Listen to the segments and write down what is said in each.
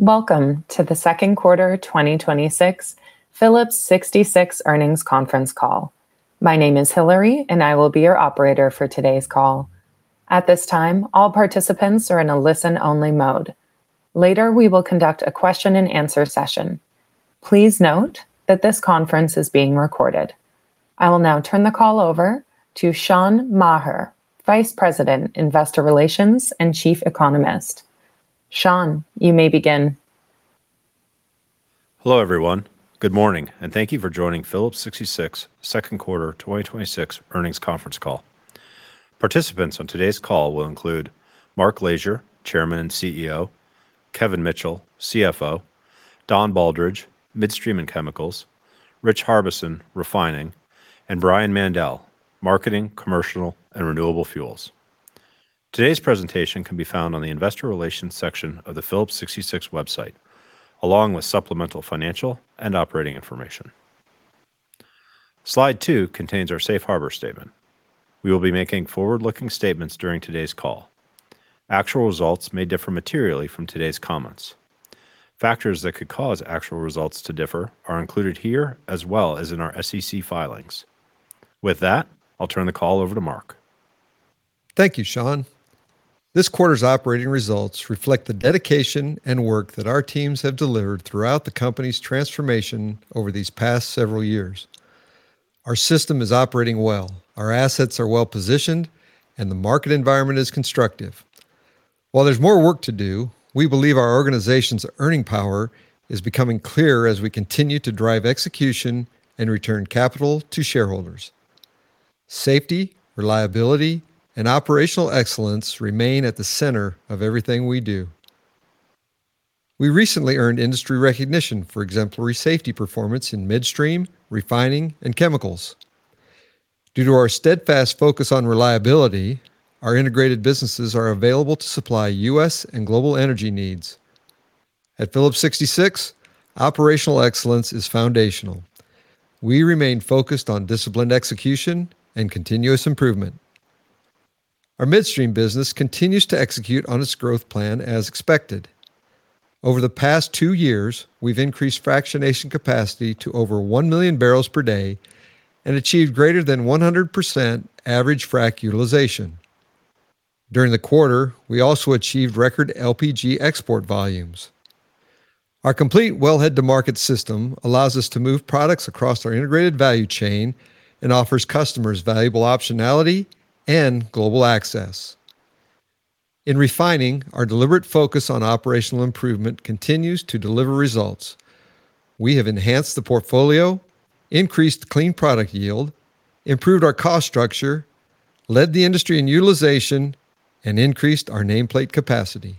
Welcome to the second quarter 2026 Phillips 66 earnings conference call. My name is Hillary and I will be your operator for today's call. At this time, all participants are in a listen-only mode. Later, we will conduct a question and answer session. Please note that this conference is being recorded. I will now turn the call over to Sean Maher, Vice President, Investor Relations and Chief Economist. Sean, you may begin. Hello, everyone. Good morning, and thank you for joining Phillips 66 second quarter 2026 earnings conference call. Participants on today's call will include Mark Lashier, Chairman and CEO, Kevin Mitchell, CFO, Don Baldridge, Midstream and Chemicals, Rich Harbison, Refining, and Brian Mandell, Marketing, Commercial, and Renewable Fuels. Today's presentation can be found on the investor relations section of the Phillips 66 website, along with supplemental financial and operating information. Slide two contains our safe harbor statement. We will be making forward-looking statements during today's call. Actual results may differ materially from today's comments. Factors that could cause actual results to differ are included here, as well as in our SEC filings. With that, I'll turn the call over to Mark. Thank you, Sean. This quarter's operating results reflect the dedication and work that our teams have delivered throughout the company's transformation over these past several years. Our system is operating well. Our assets are well-positioned, and the market environment is constructive. While there's more work to do, we believe our organization's earning power is becoming clearer as we continue to drive execution and return capital to shareholders. Safety, reliability, and operational excellence remain at the center of everything we do. We recently earned industry recognition for exemplary safety performance in midstream, refining, and chemicals. Due to our steadfast focus on reliability, our integrated businesses are available to supply U.S. and global energy needs. At Phillips 66, operational excellence is foundational. We remain focused on disciplined execution and continuous improvement. Our midstream business continues to execute on its growth plan as expected. Over the past two years, we've increased fractionation capacity to over 1 million bbl per day and achieved greater than 100% average frac utilization. During the quarter, we also achieved record LPG export volumes. Our complete wellhead-to-market system allows us to move products across our integrated value chain and offers customers valuable optionality and global access. In Refining, our deliberate focus on operational improvement continues to deliver results. We have enhanced the portfolio, increased clean product yield, improved our cost structure, led the industry in utilization, and increased our nameplate capacity.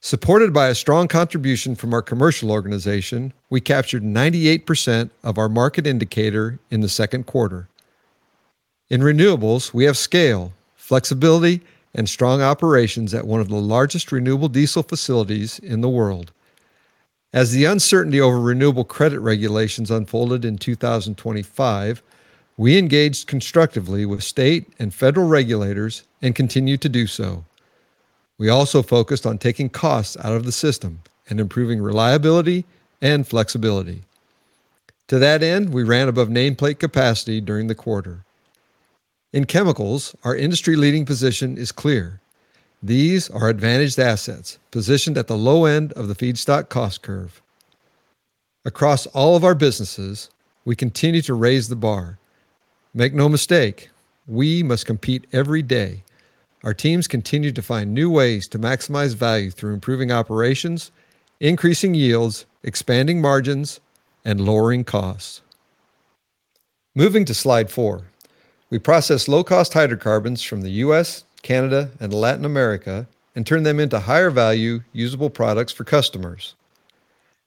Supported by a strong contribution from our commercial organization, we captured 98% of our market indicator in the second quarter. In renewables, we have scale, flexibility, and strong operations at one of the largest renewable diesel facilities in the world. As the uncertainty over renewable credit regulations unfolded in 2025, we engaged constructively with state and federal regulators and continue to do so. We also focused on taking costs out of the system and improving reliability and flexibility. To that end, we ran above nameplate capacity during the quarter. In chemicals, our industry-leading position is clear. These are advantaged assets positioned at the low end of the feedstock cost curve. Across all of our businesses, we continue to raise the bar. Make no mistake, we must compete every day. Our teams continue to find new ways to maximize value through improving operations, increasing yields, expanding margins, and lowering costs. Moving to slide four. We process low-cost hydrocarbons from the U.S., Canada, and Latin America and turn them into higher value, usable products for customers.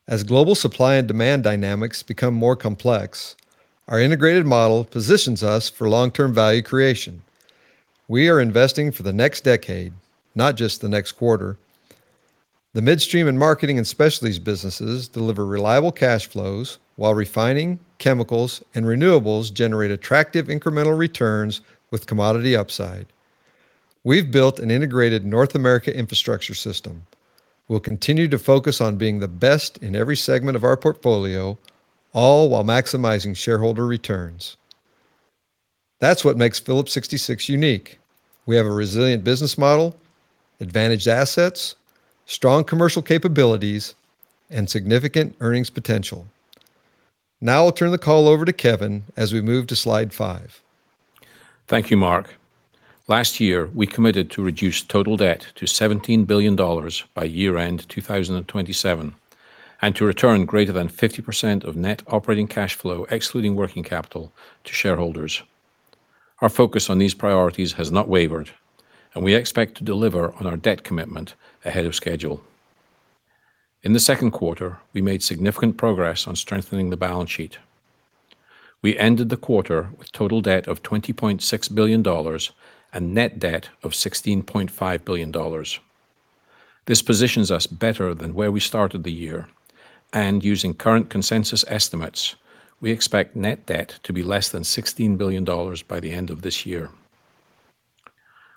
As global supply and demand dynamics become more complex, our integrated model positions us for long-term value creation. We are investing for the next decade, not just the next quarter. The midstream and marketing and specialties businesses deliver reliable cash flows while refining, chemicals, and renewables generate attractive incremental returns with commodity upside. We've built an integrated North America infrastructure system. We'll continue to focus on being the best in every segment of our portfolio, all while maximizing shareholder returns. That's what makes Phillips 66 unique. We have a resilient business model, advantaged assets, strong commercial capabilities, and significant earnings potential. Now I'll turn the call over to Kevin as we move to slide five. Thank you, Mark. Last year, we committed to reduce total debt to $17 billion by year-end 2027, to return greater than 50% of net operating cash flow, excluding working capital, to shareholders. Our focus on these priorities has not wavered, and we expect to deliver on our debt commitment ahead of schedule. In the second quarter, we made significant progress on strengthening the balance sheet. We ended the quarter with total debt of $20.6 billion and net debt of $16.5 billion. This positions us better than where we started the year and using current consensus estimates, we expect net debt to be less than $16 billion by the end of this year.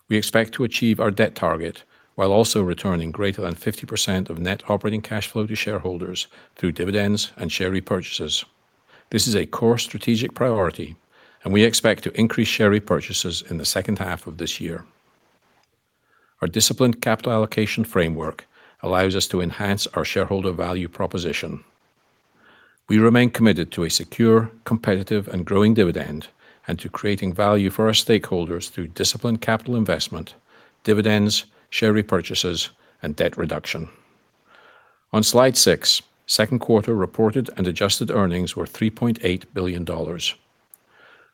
We expect to achieve our debt target while also returning greater than 50% of net operating cash flow to shareholders through dividends and share repurchases. This is a core strategic priority, and we expect to increase share repurchases in the second half of this year. Our disciplined capital allocation framework allows us to enhance our shareholder value proposition. We remain committed to a secure, competitive, and growing dividend, to creating value for our stakeholders through disciplined capital investment, dividends, share repurchases, and debt reduction. On Slide six, second quarter reported and adjusted earnings were $3.8 billion.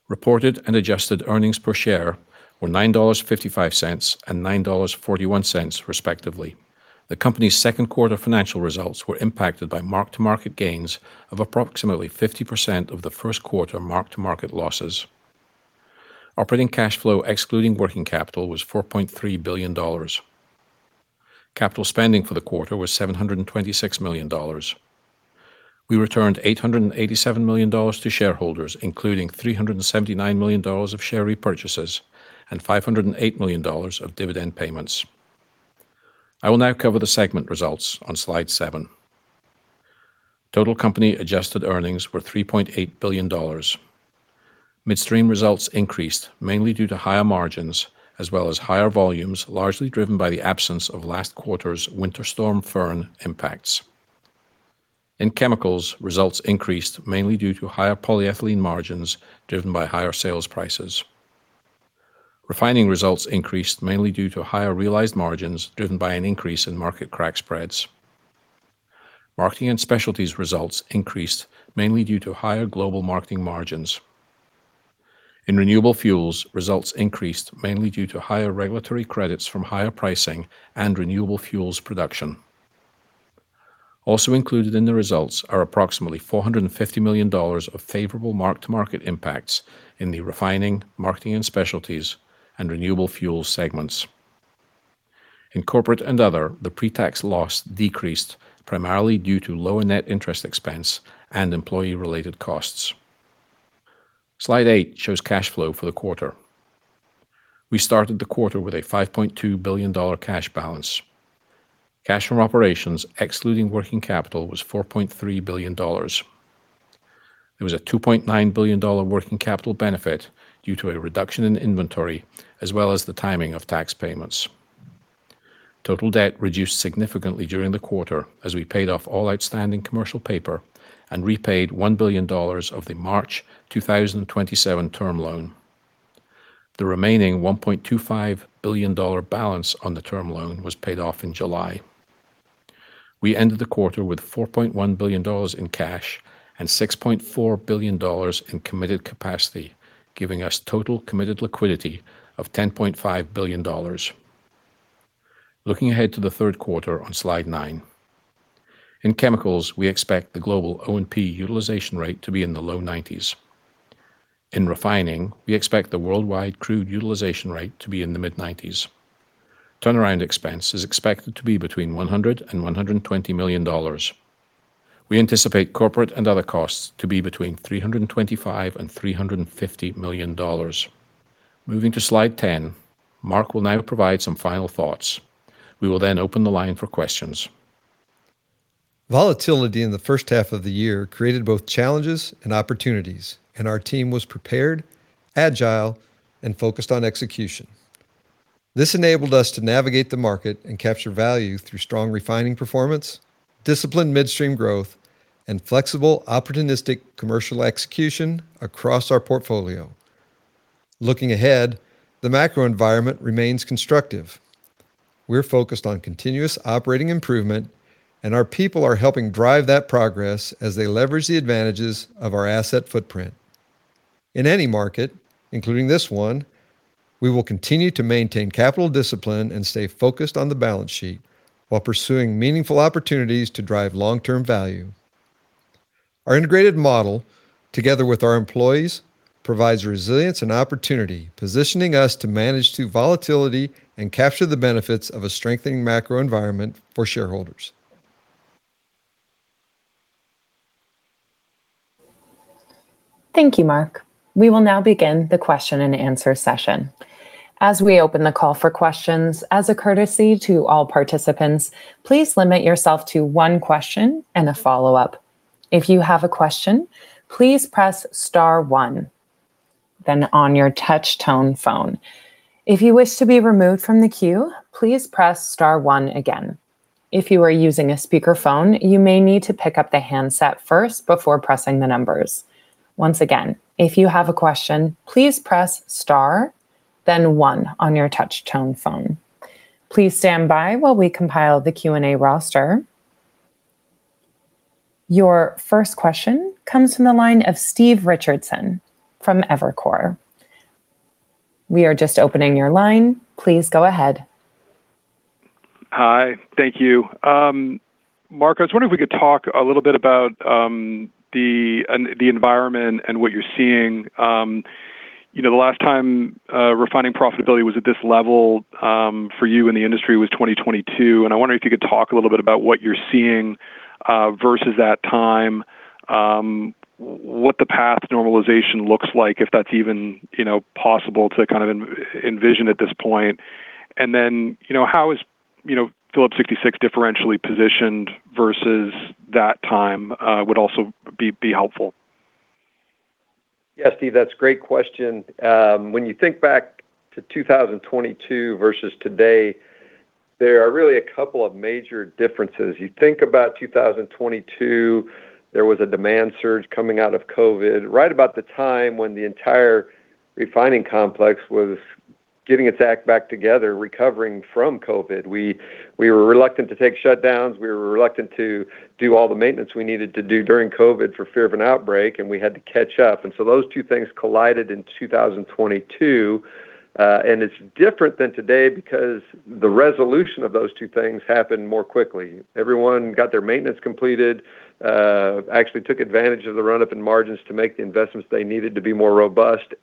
Reported and adjusted earnings per share were $9.55 and $9.41 respectively. The company's second quarter financial results were impacted by mark-to-market gains of approximately 50% of the first quarter mark-to-market losses. Operating cash flow excluding working capital was $4.3 billion. Capital spending for the quarter was $726 million. We returned $887 million to shareholders, including $379 million of share repurchases and $508 million of dividend payments. I will now cover the segment results on slide seven. Total company adjusted earnings were $3.8 billion. Midstream results increased mainly due to higher margins as well as higher volumes, largely driven by the absence of last quarter's Winter Storm Fern impacts. In Chemicals, results increased mainly due to higher polyethylene margins driven by higher sales prices. Refining results increased mainly due to higher realized margins driven by an increase in market crack spreads. Marketing and Specialties results increased mainly due to higher global marketing margins. In Renewable Fuels, results increased mainly due to higher regulatory credits from higher pricing and renewable fuels production. Also included in the results are approximately $450 million of favorable mark-to-market impacts in the Refining, Marketing and Specialties, and Renewable Fuels segments. In Corporate and Other, the pre-tax loss decreased primarily due to lower net interest expense and employee-related costs. Slide eight shows cash flow for the quarter. We started the quarter with a $5.2 billion cash balance. Cash from operations excluding working capital was $4.3 billion. There was a $2.9 billion working capital benefit due to a reduction in inventory as well as the timing of tax payments. Total debt reduced significantly during the quarter as we paid off all outstanding commercial paper and repaid $1 billion of the March 2027 term loan. The remaining $1.25 billion balance on the term loan was paid off in July. We ended the quarter with $4.1 billion in cash and $6.4 billion in committed capacity, giving us total committed liquidity of $10.5 billion. Looking ahead to the third quarter on Slide nine. In Chemicals, we expect the global O&P utilization rate to be in the low 90s. In Refining, we expect the worldwide crude utilization rate to be in the mid-90s. Turnaround expense is expected to be between $100 million and $120 million. We anticipate Corporate and Other costs to be between $325 million and $350 million. Moving to Slide 10, Mark will now provide some final thoughts. We will then open the line for questions. Volatility in the first half of the year created both challenges and opportunities. Our team was prepared, agile, and focused on execution. This enabled us to navigate the market and capture value through strong Refining performance, disciplined Midstream growth, and flexible, opportunistic commercial execution across our portfolio. Looking ahead, the macro environment remains constructive. We're focused on continuous operating improvement, and our people are helping drive that progress as they leverage the advantages of our asset footprint. In any market, including this one, we will continue to maintain capital discipline and stay focused on the balance sheet while pursuing meaningful opportunities to drive long-term value. Our integrated model, together with our employees, provides resilience and opportunity, positioning us to manage through volatility and capture the benefits of a strengthening macro environment for shareholders. Thank you, Mark. We will now begin the question and answer session. As we open the call for questions, as a courtesy to all participants, please limit yourself to one question and a follow-up. If you have a question, please press star one then on your touch tone phone. If you wish to be removed from the queue, please press star one again. If you are using a speakerphone, you may need to pick up the handset first before pressing the numbers. Once again, if you have a question, please press star then one on your touch tone phone. Please stand by while we compile the Q&A roster. Your first question comes from the line of Steve Richardson from Evercore. We are just opening your line. Please go ahead. Hi. Thank you. Mark, I was wondering if we could talk a little bit about the environment and what you're seeing. The last time refining profitability was at this level for you in the industry was 2022. I wonder if you could talk a little bit about what you're seeing versus that time, what the path normalization looks like, if that's even possible to envision at this point. How is Phillips 66 differentially positioned versus that time would also be helpful. Yeah, Steve, that's a great question. When you think back to 2022 versus today, there are really a couple of major differences. You think about 2022, there was a demand surge coming out of COVID right about the time when the entire refining complex was getting its act back together, recovering from COVID. We were reluctant to take shutdowns. We were reluctant to do all the maintenance we needed to do during COVID for fear of an outbreak, we had to catch up. Those two things collided in 2022. It's different than today because the resolution of those two things happened more quickly. Everyone got their maintenance completed, actually took advantage of the run-up in margins to make the investments they needed to be more robust,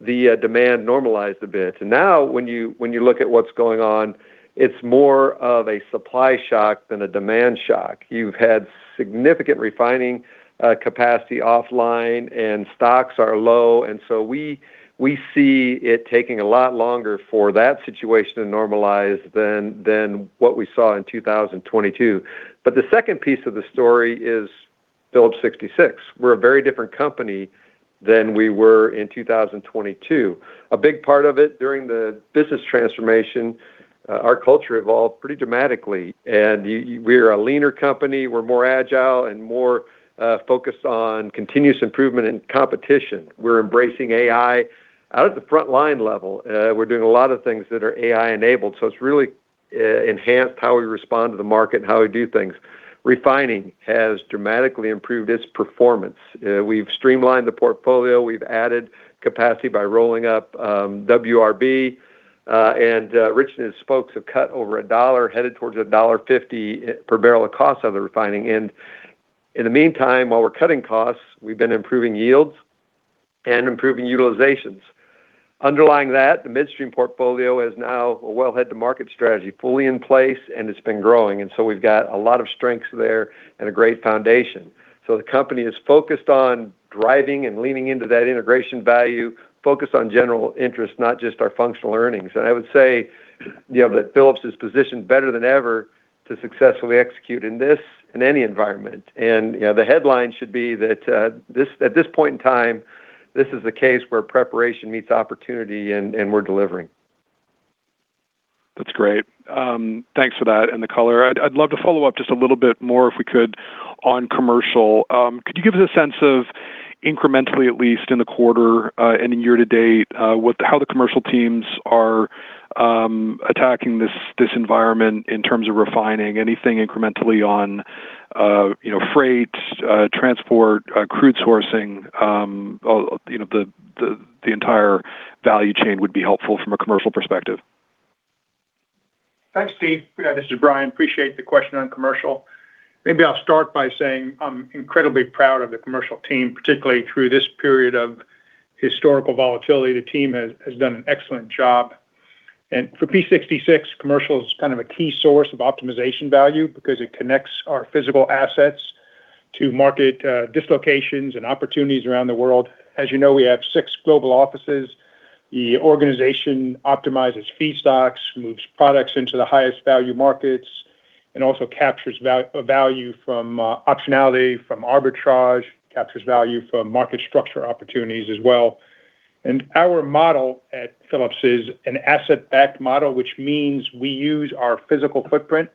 the demand normalized a bit. Now when you look at what's going on, it's more of a supply shock than a demand shock. You've had significant refining capacity offline, stocks are low. We see it taking a lot longer for that situation to normalize than what we saw in 2022. The second piece of the story is Phillips 66. We're a very different company than we were in 2022. A big part of it, during the business transformation, our culture evolved pretty dramatically. We're a leaner company. We're more agile, more focused on continuous improvement and competition. We're embracing AI out at the frontline level. We're doing a lot of things that are AI enabled, so it's really enhanced how we respond to the market and how we do things. Refining has dramatically improved its performance. We've streamlined the portfolio. We've added capacity by rolling up WRB. Rich and his folks have cut over $1, headed towards $1.50 per bbl of cost of the refining end. The meantime, while we're cutting costs, we've been improving yields and improving utilizations. Underlying that, the midstream portfolio has now a well head-to-market strategy fully in place, it's been growing. We've got a lot of strengths there and a great foundation. The company is focused on driving and leaning into that integration value, focused on general interest, not just our functional earnings. I would say that Phillips is positioned better than ever to successfully execute in this, in any environment. The headline should be that at this point in time, this is a case where preparation meets opportunity and we're delivering. That's great. Thanks for that and the color. I'd love to follow up just a little bit more, if we could, on commercial. Could you give us a sense of incrementally, at least in the quarter and in year to date, how the commercial teams are attacking this environment in terms of refining anything incrementally on freight, transport, crude sourcing, the entire value chain would be helpful from a commercial perspective? Thanks, Steve. This is Brian. Appreciate the question on commercial. Maybe I'll start by saying I'm incredibly proud of the commercial team, particularly through this period of historical volatility. The team has done an excellent job. For Phillips 66, commercial is kind of a key source of optimization value because it connects our physical assets to market dislocations and opportunities around the world. As you know, we have six global offices. The organization optimizes feedstocks, moves products into the highest value markets, also captures value from optionality, from arbitrage, captures value from market structure opportunities as well. Our model at Phillips is an asset-backed model, which means we use our physical footprint,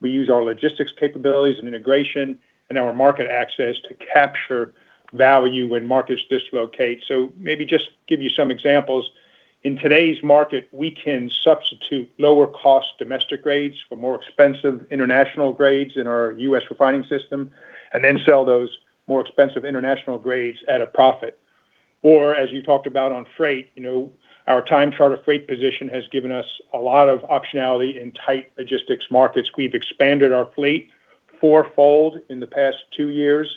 we use our logistics capabilities and integration and our market access to capture value when markets dislocate. Maybe just give you some examples. In today's market, we can substitute lower cost domestic grades for more expensive international grades in our U.S. refining system, then sell those more expensive international grades at a profit. As you talked about on freight, our time charter freight position has given us a lot of optionality in tight logistics markets. We've expanded our fleet fourfold in the past two years,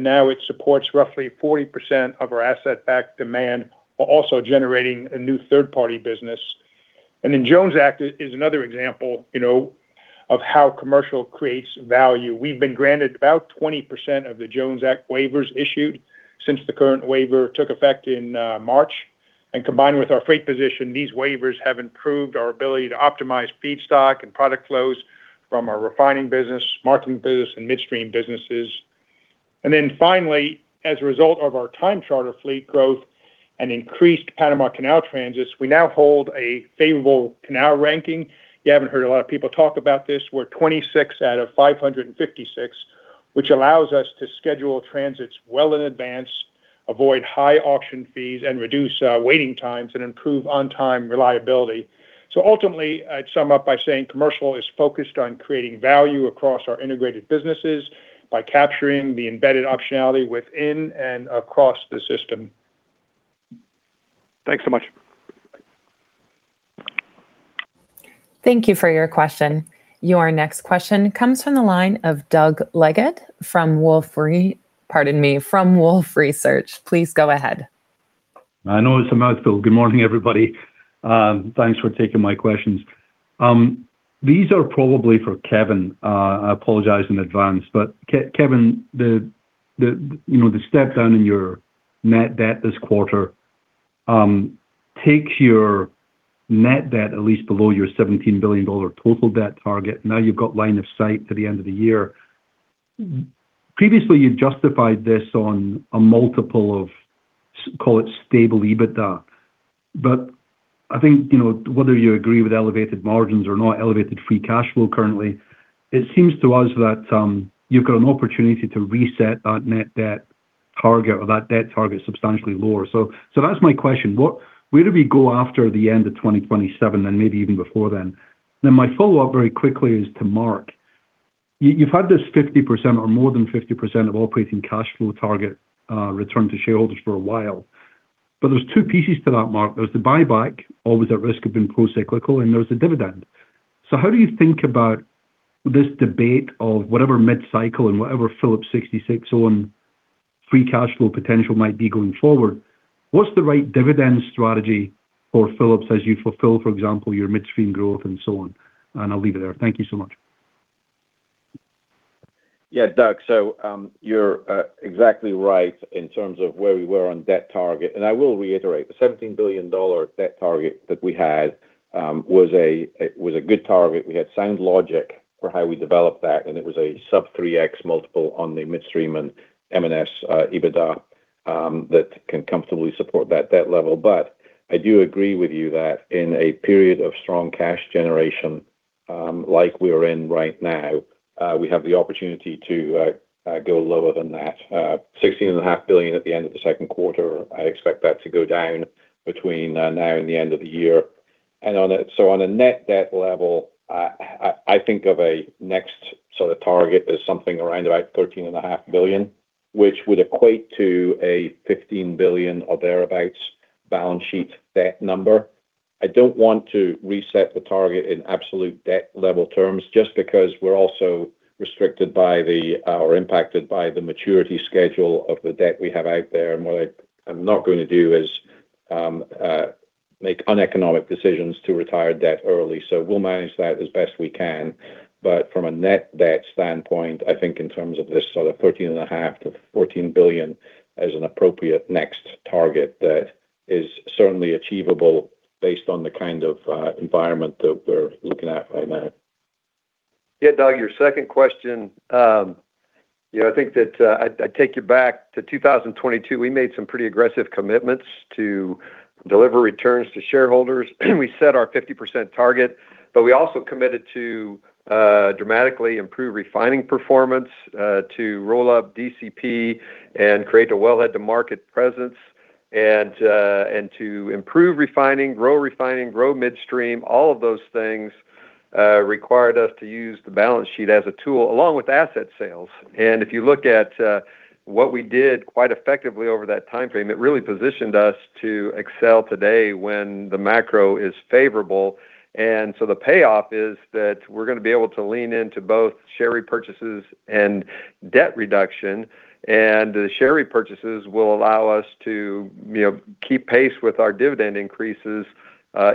now it supports roughly 40% of our asset-backed demand while also generating a new third-party business. Jones Act is another example of how commercial creates value. We've been granted about 20% of the Jones Act waivers issued since the current waiver took effect in March. Combined with our freight position, these waivers have improved our ability to optimize feedstock and product flows from our refining business, marketing business, and midstream businesses. Finally, as a result of our time charter fleet growth and increased Panama Canal transits, we now hold a favorable canal ranking. You haven't heard a lot of people talk about this. We're 26 out of 556, which allows us to schedule transits well in advance, avoid high auction fees, and reduce waiting times and improve on-time reliability. Ultimately, I'd sum up by saying commercial is focused on creating value across our integrated businesses by capturing the embedded optionality within and across the system. Thanks so much. Thank you for your question. Your next question comes from the line of Doug Leggate from Wolfe Research. Please go ahead. I know it's a mouthful. Good morning, everybody. Thanks for taking my questions. These are probably for Kevin. I apologize in advance. Kevin, the step down in your net debt this quarter takes your net debt at least below your $17 billion total debt target. Now you've got line of sight to the end of the year. Previously, you justified this on a multiple of, call it stable EBITDA. I think, whether you agree with elevated margins or not, elevated free cash flow currently, it seems to us that you've got an opportunity to reset that net debt target or that debt target substantially lower. That's my question. Where do we go after the end of 2027, and maybe even before then? My follow-up very quickly is to Mark. You've had this 50% or more than 50% of operating cash flow target return to shareholders for a while. There's two pieces to that, Mark. There's the buyback, always at risk of being pro-cyclical, and there's the dividend. How do you think about this debate of whatever mid-cycle and whatever Phillips 66 on free cash flow potential might be going forward, what's the right dividend strategy for Phillips as you fulfill, for example, your midstream growth and so on? I'll leave it there. Thank you so much. Yeah, Doug. You're exactly right in terms of where we were on debt target. I will reiterate, the $17 billion debt target that we had was a good target. We had sound logic for how we developed that, and it was a sub 3x multiple on the midstream and M&S EBITDA that can comfortably support that debt level. I do agree with you that in a period of strong cash generation, like we're in right now, we have the opportunity to go lower than that. $16.5 billion at the end of the second quarter, I expect that to go down between now and the end of the year. On a net debt level, I think of a next sort of target as something around about $13.5 billion, which would equate to a $15 billion or thereabout balance sheet debt number. I don't want to reset the target in absolute debt level terms just because we're also restricted by the, or impacted by the maturity schedule of the debt we have out there. What I'm not going to do is make uneconomic decisions to retire debt early. We'll manage that as best we can. From a net debt standpoint, I think in terms of this sort of $13.5 billion-$14 billion as an appropriate next target that is certainly achievable based on the kind of environment that we're looking at right now. Yeah, Doug, your second question. I take you back to 2022. We made some pretty aggressive commitments to deliver returns to shareholders. We set our 50% target, but we also committed to dramatically improve refining performance, to roll up DCP and create a wellhead-to-market presence, and to improve refining, grow refining, grow midstream. All of those things required us to use the balance sheet as a tool along with asset sales. If you look at what we did quite effectively over that timeframe, it really positioned us to excel today when the macro is favorable. The payoff is that we're going to be able to lean into both share repurchases and debt reduction, and the share repurchases will allow us to keep pace with our dividend increases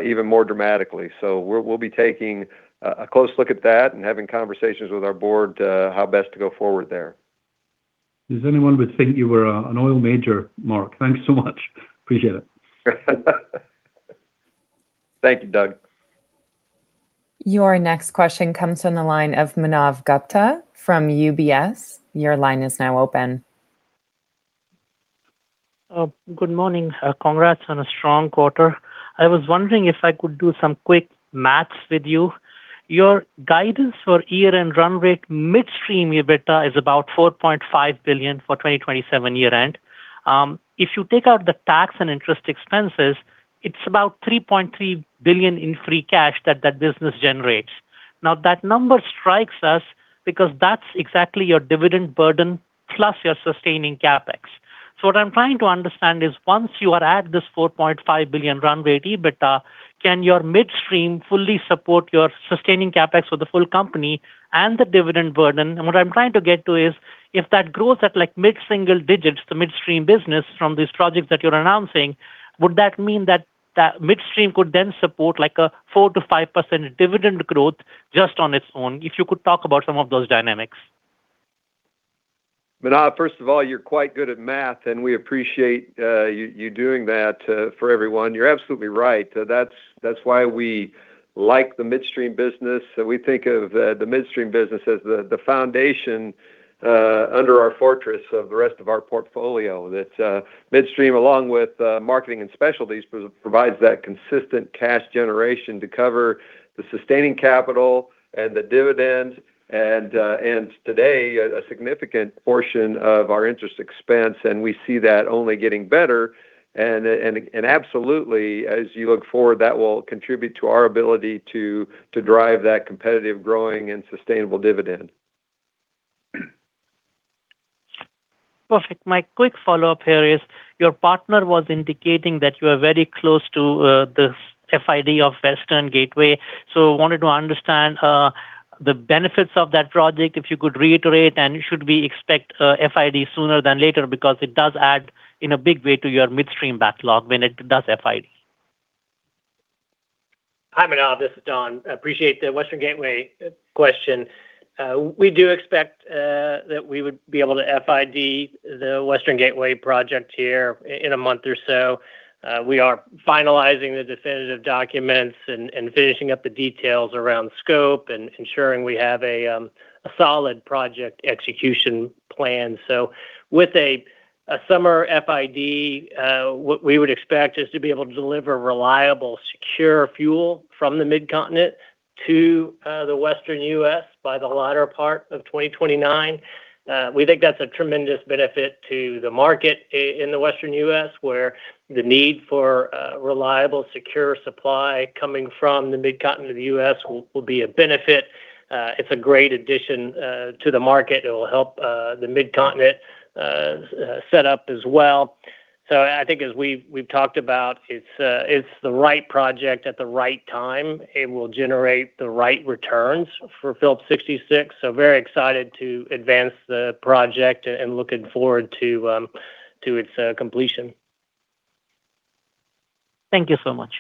even more dramatically. We'll be taking a close look at that and having conversations with our board how best to go forward there. Does anyone would think you were an oil major, Mark? Thanks so much. Appreciate it. Thank you, Doug. Your next question comes from the line of Manav Gupta from UBS. Your line is now open. Good morning. Congrats on a strong quarter. I was wondering if I could do some quick math with you. Your guidance for year-end run rate midstream EBITDA is about $4.5 billion for 2027 year-end. If you take out the tax and interest expenses, it is about $3.3 billion in free cash that business generates. That number strikes us because that is exactly your dividend burden plus your sustaining CapEx. What I am trying to understand is once you are at this $4.5 billion run rate EBITDA, can your midstream fully support your sustaining CapEx for the full company and the dividend burden? What I am trying to get to is, if that grows at mid-single digits, the midstream business from these projects that you are announcing, would that mean that midstream could then support a 4%-5% dividend growth just on its own? If you could talk about some of those dynamics. Manav, first of all, you are quite good at math, and we appreciate you doing that for everyone. You are absolutely right. That is why we like the midstream business. We think of the midstream business as the foundation under our fortress of the rest of our portfolio. That midstream, along with marketing and specialties, provides that consistent cash generation to cover the sustaining capital and the dividends, and today, a significant portion of our interest expense, and we see that only getting better. Absolutely, as you look forward, that will contribute to our ability to drive that competitive growing and sustainable dividend. Perfect. My quick follow-up here is, your partner was indicating that you are very close to the FID of Western Gateway. Wanted to understand the benefits of that project, if you could reiterate, and should we expect FID sooner than later? It does add in a big way to your midstream backlog when it does FID. Hi, Manav, this is Don. Appreciate the Western Gateway question. We do expect that we would be able to FID the Western Gateway project here in one month or so. We are finalizing the definitive documents and finishing up the details around scope and ensuring we have a solid project execution plan. With a summer FID, what we would expect is to be able to deliver reliable, secure fuel from the mid-continent to the Western U.S. by the latter part of 2029. We think that's a tremendous benefit to the market in the Western U.S., where the need for a reliable, secure supply coming from the mid-continent of the U.S. will be a benefit. It's a great addition to the market. It will help the mid-continent set up as well. I think as we've talked about, it's the right project at the right time. It will generate the right returns for Phillips 66. Very excited to advance the project and looking forward to its completion. Thank you so much.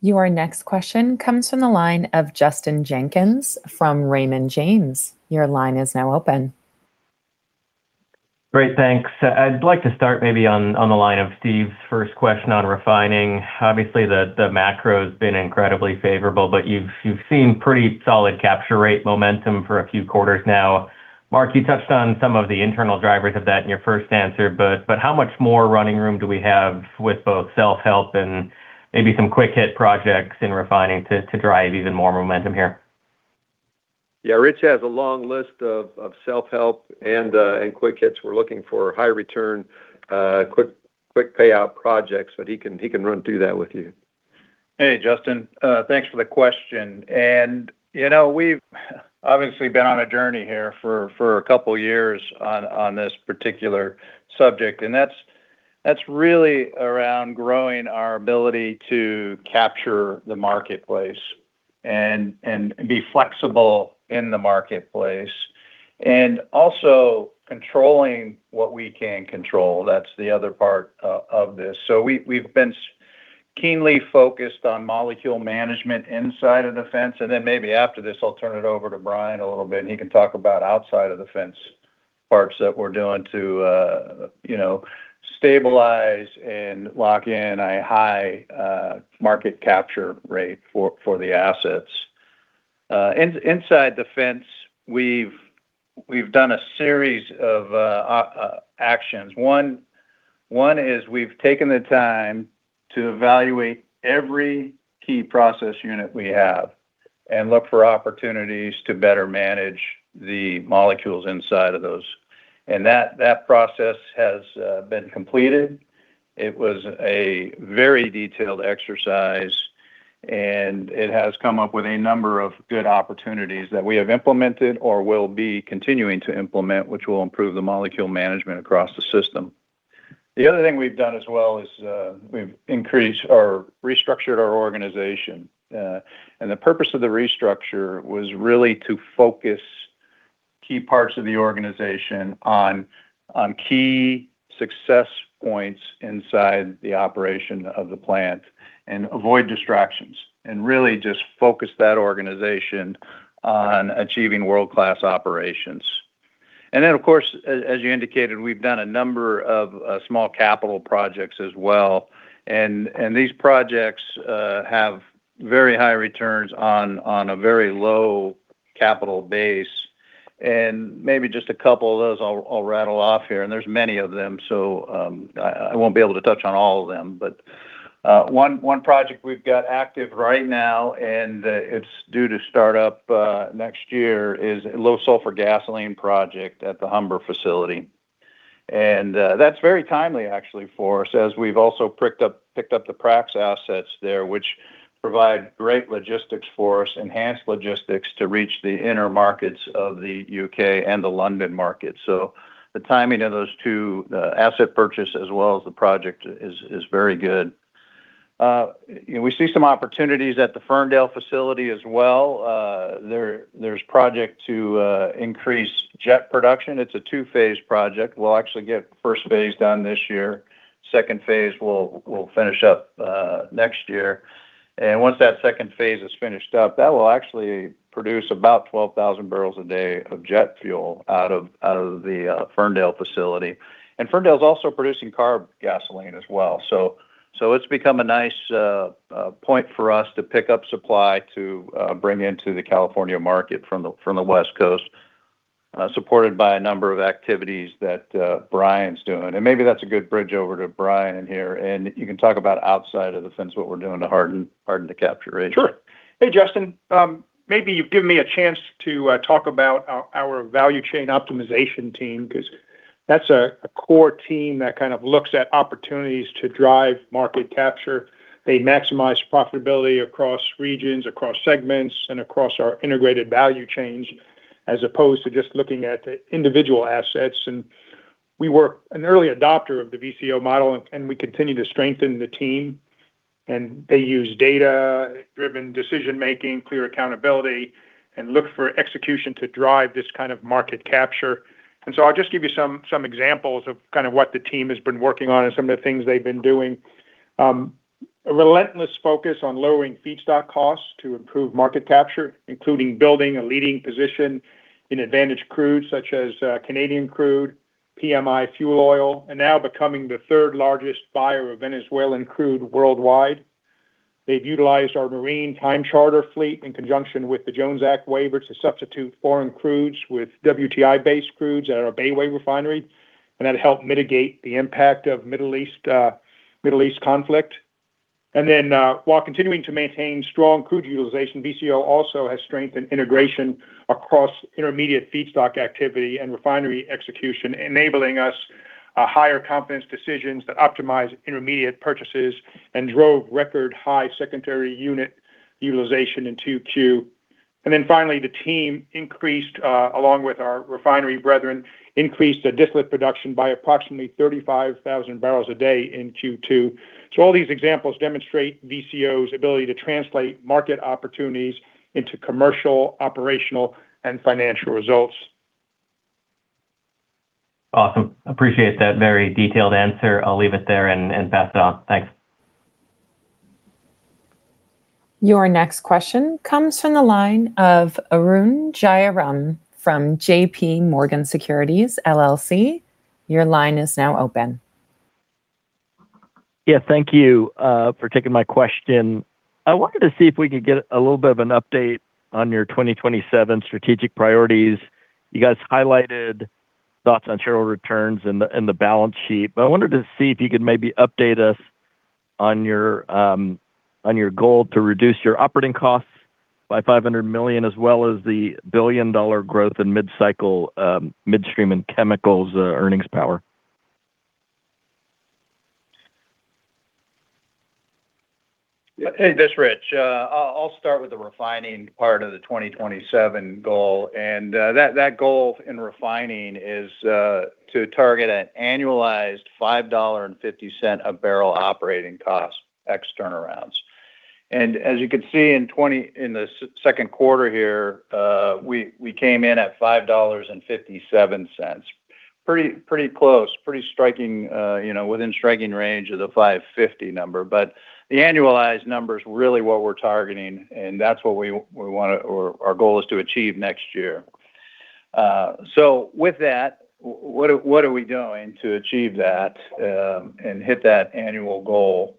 Your next question comes from the line of Justin Jenkins from Raymond James. Your line is now open. Great. Thanks. I'd like to start maybe on the line of Steve's first question on Refining. Obviously, the macro's been incredibly favorable, but you've seen pretty solid capture rate momentum for a few quarters now. Mark, you touched on some of the internal drivers of that in your first answer, but how much more running room do we have with both self-help and maybe some quick-hit projects in refining to drive even more momentum here? Yeah, Rich has a long list of self-help and quick hits. We're looking for high return, quick payout projects. He can run through that with you. Hey, Justin. Thanks for the question. We've obviously been on a journey here for a couple of years on this particular subject. That's really around growing our ability to capture the marketplace and be flexible in the marketplace. Also controlling what we can control. That's the other part of this. We've been keenly focused on molecule management inside of the fence. Maybe after this, I'll turn it over to Brian a little bit. He can talk about outside of the fence parts that we're doing to stabilize and lock in a high market capture rate for the assets. Inside the fence, we've done a series of actions. One is we've taken the time to evaluate every key process unit we have and look for opportunities to better manage the molecules inside of those. That process has been completed. It was a very detailed exercise. It has come up with a number of good opportunities that we have implemented or will be continuing to implement, which will improve the molecule management across the system. The other thing we've done as well is we've increased or restructured our organization. The purpose of the restructure was really to focus key parts of the organization on key success points inside the operation of the plant. Avoid distractions. Really just focus that organization on achieving world-class operations. Of course, as you indicated, we've done a number of small capital projects as well. These projects have very high returns on a very low capital base. Maybe just a couple of those I'll rattle off here. There's many of them, so I won't be able to touch on all of them. One project we've got active right now, and it's due to start up next year, is a Low Sulphur Gasoline Project at the Humber facility. That's very timely, actually, for us, as we've also picked up the Praxair assets there, which provide great logistics for us, enhanced logistics to reach the inner markets of the U.K. and the London market. The timing of those two, the asset purchase as well as the project, is very good. We see some opportunities at the Ferndale facility as well. There's a project to increase jet production. It's a two-phase project. We'll actually get the first phase done this year. The second phase we'll finish up next year. Once that second phase is finished up, that will actually produce about 12,000 bbl a day of jet fuel out of the Ferndale facility. Ferndale is also producing carb gasoline as well. It's become a nice point for us to pick up supply to bring into the California market from the West Coast, supported by a number of activities that Brian's doing. Maybe that's a good bridge over to Brian here, and you can talk about outside of the fence, what we're doing to harden the capture rate. Sure. Hey, Justin. Maybe you've given me a chance to talk about our value chain optimization team because that's a core team that kind of looks at opportunities to drive market capture. They maximize profitability across regions, across segments, and across our integrated value chains, as opposed to just looking at the individual assets. We were an early adopter of the VCO model, and we continue to strengthen the team. They use data-driven decision-making, clear accountability, and look for execution to drive this kind of market capture. I'll just give you some examples of kind of what the team has been working on and some of the things they've been doing. A relentless focus on lowering feedstock costs to improve market capture, including building a leading position in advantage crude, such as Canadian crude, PMI fuel oil, and now becoming the third largest buyer of Venezuelan crude worldwide. They've utilized our marine time charter fleet in conjunction with the Jones Act waiver to substitute foreign crudes with WTI-based crudes at our Bayway Refinery, and that helped mitigate the impact of Middle East conflict. While continuing to maintain strong crude utilization, VCO also has strengthened integration across intermediate feedstock activity and refinery execution, enabling us a higher confidence decisions that optimize intermediate purchases and drove record high secondary unit utilization in 2Q. Finally, the team increased, along with our refinery brethren, increased the distillate production by approximately 35,000 bbl a day in Q2. All these examples demonstrate VCO's ability to translate market opportunities into commercial, operational, and financial results. Awesome. Appreciate that very detailed answer. I'll leave it there and pass it on. Thanks. Your next question comes from the line of Arun Jayaram from JPMorgan Securities LLC. Your line is now open. Thank you for taking my question. I wanted to see if we could get a little bit of an update on your 2027 strategic priorities. You guys highlighted thoughts on shareholder returns and the balance sheet, but I wanted to see if you could maybe update us on your goal to reduce your operating costs by $500 million, as well as the billion-dollar growth in mid-cycle midstream and chemicals earnings power. Hey, this is Rich. I'll start with the refining part of the 2027 goal. That goal in refining is to target an annualized $5.50 a barrel operating cost, ex-turnarounds. As you can see in the second quarter here, we came in at $5.57. Pretty close, within striking range of the $5.50 number. The annualized number is really what we're targeting, and our goal is to achieve next year. With that, what are we doing to achieve that and hit that annual goal?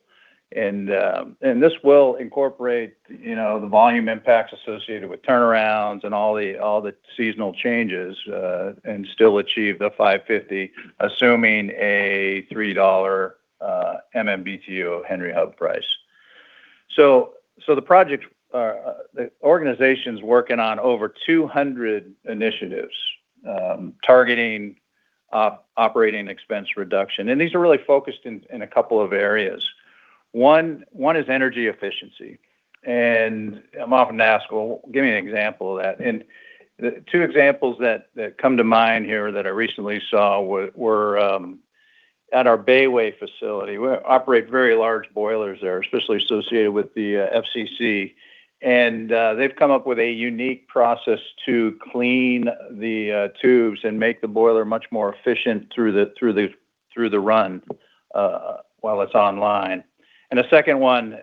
This will incorporate the volume impacts associated with turnarounds and all the seasonal changes, and still achieve the $5.50, assuming a $3 MMBtu of Henry Hub price. The organization's working on over 200 initiatives targeting operating expense reduction. These are really focused in a couple of areas. One is energy efficiency. I'm often asked, "Well, give me an example of that." The two examples that come to mind here that I recently saw were at our Bayway facility. We operate very large boilers there, especially associated with the FCC. They've come up with a unique process to clean the tubes and make the boiler much more efficient through the run while it's online. The second one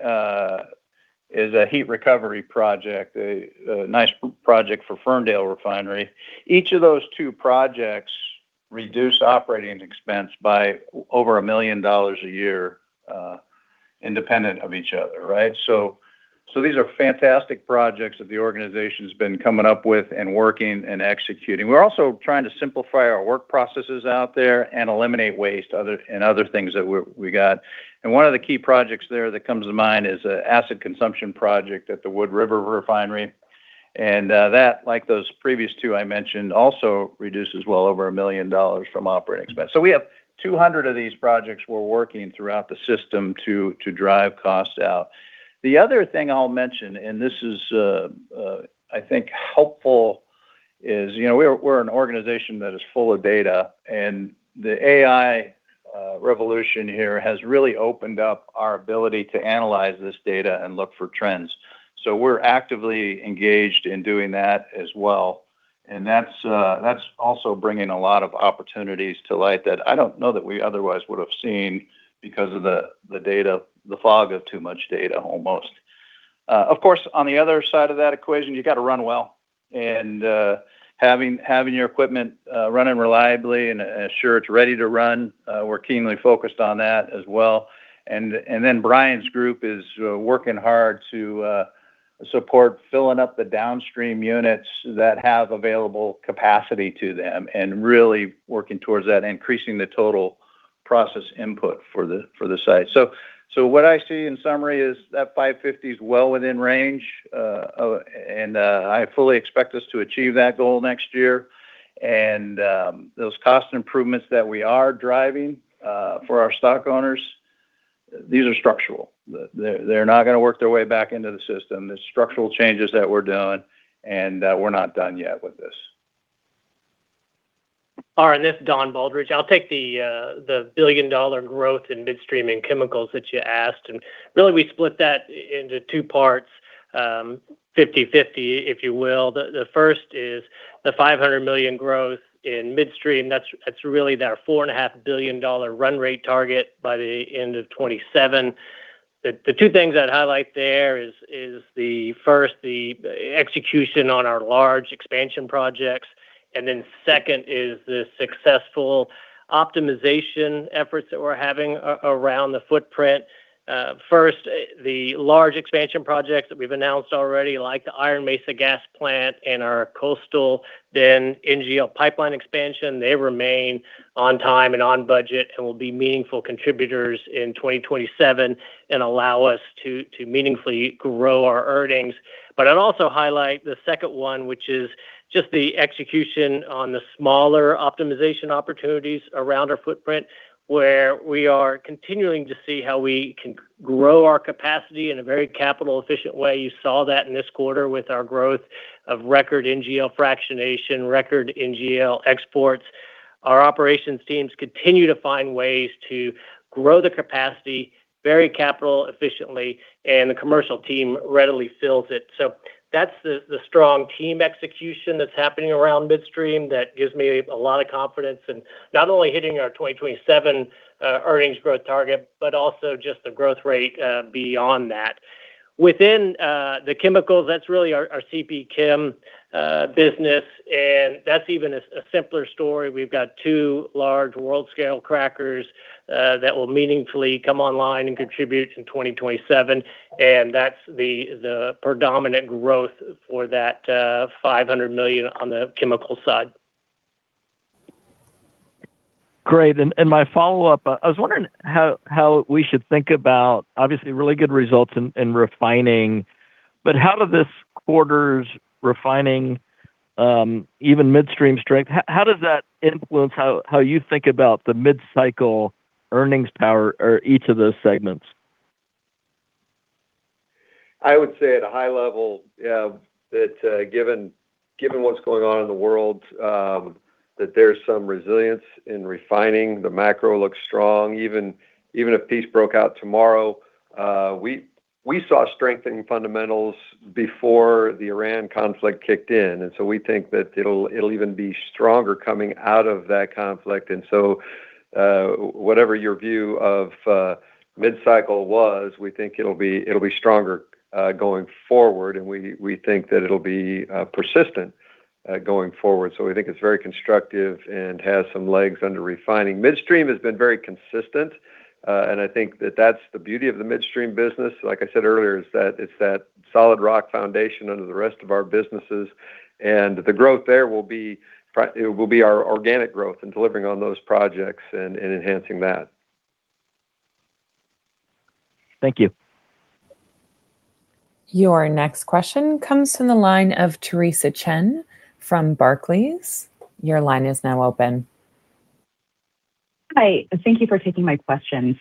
is a heat recovery project, a nice project for Ferndale Refinery. Each of those two projects reduce operating expense by over $1 million a year independent of each other. Right? These are fantastic projects that the organization's been coming up with and working and executing. We're also trying to simplify our work processes out there and eliminate waste and other things that we got. One of the key projects there that comes to mind is an asset consumption project at the Wood River Refinery. That, like those previous two I mentioned, also reduces well over $1 million from operating expense. We have 200 of these projects we're working throughout the system to drive costs out. The other thing I'll mention, and this is I think helpful, is we're an organization that is full of data. The AI revolution here has really opened up our ability to analyze this data and look for trends. We're actively engaged in doing that as well. That's also bringing a lot of opportunities to light that I don't know that we otherwise would have seen because of the fog of too much data almost. Of course, on the other side of that equation, you got to run well. Having your equipment running reliably and ensure it's ready to run, we're keenly focused on that as well. Brian's group is working hard to support filling up the downstream units that have available capacity to them and really working towards that, increasing the total process input for the site. What I see in summary is that $5.50 is well within range. I fully expect us to achieve that goal next year. Those cost improvements that we are driving for our stock owners. These are structural. They're not going to work their way back into the system. There's structural changes that we're doing, and we're not done yet with this. All right. This is Don Baldridge. I'll take the billion-dollar growth in midstream and chemicals that you asked. Really, we split that into two parts, 50/50, if you will. The first is the $500 million growth in midstream. That's really that $4.5 billion run rate target by the end of 2027. The two things I'd highlight there is first, the execution on our large expansion projects. Then second is the successful optimization efforts that we're having around the footprint. First, the large expansion projects that we've announced already, like the Iron Mesa gas plant and our Coastal Bend NGL Pipeline Expansion, they remain on time and on budget and will be meaningful contributors in 2027 and allow us to meaningfully grow our earnings. I'd also highlight the second one, which is just the execution on the smaller optimization opportunities around our footprint, where we are continuing to see how we can grow our capacity in a very capital-efficient way. You saw that in this quarter with our growth of record NGL fractionation, record NGL exports. Our operations teams continue to find ways to grow the capacity very capital efficiently. The commercial team readily fills it. That's the strong team execution that's happening around midstream that gives me a lot of confidence in not only hitting our 2027 earnings growth target, but also just the growth rate beyond that. Within the chemicals, that's really our CPChem business. That's even a simpler story. We've got two large world-scale crackers that will meaningfully come online and contribute in 2027. That's the predominant growth for that $500 million on the chemical side. Great. My follow-up, I was wondering how we should think about obviously really good results in refining, how do this quarter's refining, even midstream strength, how does that influence how you think about the mid-cycle earnings power or each of those segments? I would say at a high level that given what's going on in the world, that there's some resilience in refining. The macro looks strong. Even if peace broke out tomorrow, we saw strengthening fundamentals before the Iran conflict kicked in, we think that it'll even be stronger coming out of that conflict. Whatever your view of mid-cycle was, we think it'll be stronger going forward, and we think that it'll be persistent going forward. We think it's very constructive and has some legs under refining. Midstream has been very consistent, and I think that that's the beauty of the midstream business, like I said earlier, is that it's that solid rock foundation under the rest of our businesses, and the growth there will be our organic growth in delivering on those projects and enhancing that. Thank you. Your next question comes from the line of Theresa Chen from Barclays. Your line is now open. Hi. Thank you for taking my questions.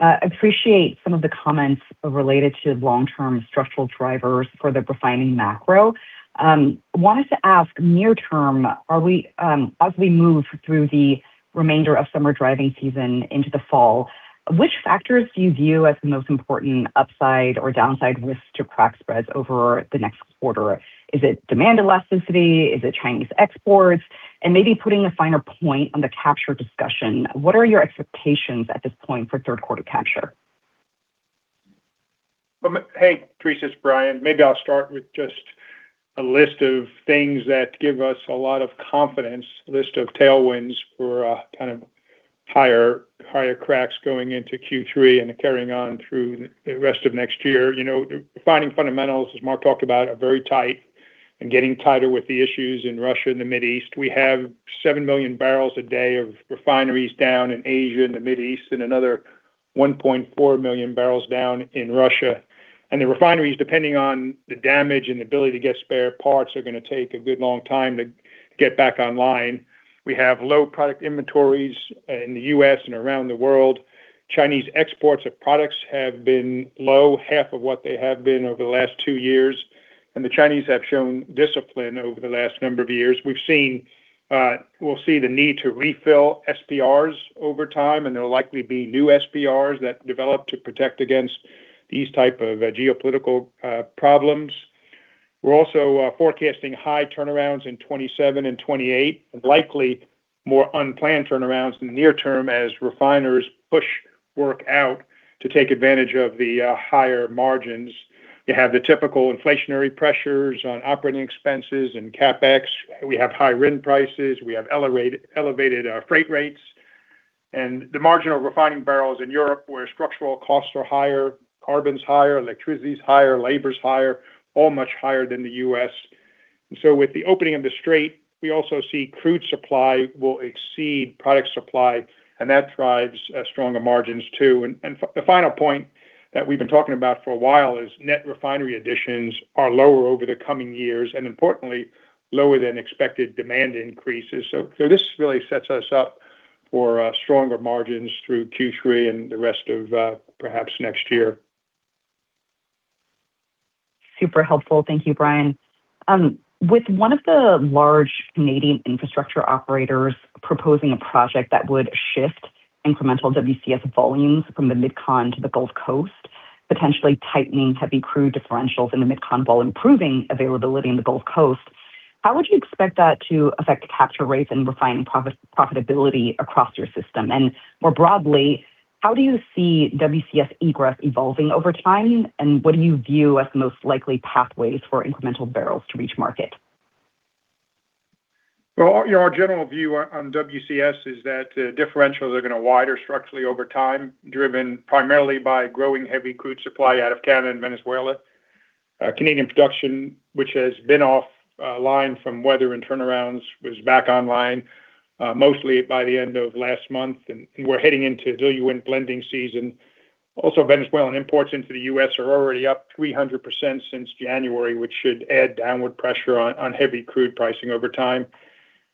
Appreciate some of the comments related to long-term structural drivers for the refining macro. Wanted to ask near term, as we move through the remainder of summer driving season into the fall, which factors do you view as the most important upside or downside risk to crack spreads over the next quarter? Is it demand elasticity? Is it Chinese exports? Maybe putting a finer point on the capture discussion, what are your expectations at this point for third quarter capture? Hey, Theresa. It's Brian. Maybe I'll start with just a list of things that give us a lot of confidence, list of tailwinds for kind of higher cracks going into Q3 and carrying on through the rest of next year. Refining fundamentals, as Mark talked about, are very tight and getting tighter with the issues in Russia and the Mideast. We have 7 million bbl a day of refineries down in Asia and the Mideast and another 1.4 million bbl down in Russia. The refineries, depending on the damage and ability to get spare parts, are going to take a good long time to get back online. We have low product inventories in the U.S. and around the world. Chinese exports of products have been low, half of what they have been over the last two years, and the Chinese have shown discipline over the last number of years. We'll see the need to refill SPRs over time, and there will likely be new SPRs that develop to protect against these type of geopolitical problems. We're also forecasting high turnarounds in 2027 and 2028, likely more unplanned turnarounds in the near term as refiners push work out to take advantage of the higher margins. You have the typical inflationary pressures on operating expenses and CapEx. We have high RIN prices. We have elevated freight rates. The margin of refining barrels in Europe, where structural costs are higher, carbon's higher, electricity's higher, labor's higher, all much higher than the U.S. With the opening of the Strait, we also see crude supply will exceed product supply, and that drives stronger margins, too. The final point that we've been talking about for a while is net refinery additions are lower over the coming years, and importantly, lower than expected demand increases. This really sets us up for stronger margins through Q3 and the rest of perhaps next year. Super helpful. Thank you, Brian. With one of the large Canadian infrastructure operators proposing a project that would shift incremental WCS volumes from the MidCon to the Gulf Coast, potentially tightening heavy crude differentials in the MidCon while improving availability in the Gulf Coast, how would you expect that to affect capture rates and refining profitability across your system? More broadly, how do you see WCS egress evolving over time, and what do you view as the most likely pathways for incremental barrels to reach market? Well, our general view on WCS is that differentials are going to wider structurally over time, driven primarily by growing heavy crude supply out of Canada and Venezuela. Canadian production, which has been off line from weather and turnarounds, was back online mostly by the end of last month, and we're heading into winter blending season. Also, Venezuelan imports into the U.S. are already up 300% since January, which should add downward pressure on heavy crude pricing over time.